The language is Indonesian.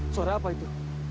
suara apa itu